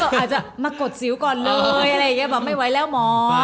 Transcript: อาจจะมากดสิวก่อนเลยไม่ไหวแล้วหมอ